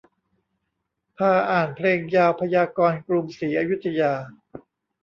พาอ่านเพลงยาวพยากรณ์กรุงศรีอยุธยา